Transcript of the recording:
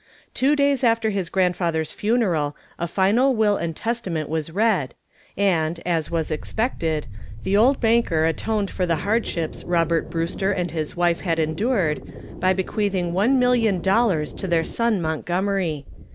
Two days after his grandfather's funeral a final will and testament was read, and, as was expected, the old banker atoned for the hardships Robert Brewster and his wife had endured by bequeathing one million dollars to their son Montgomery.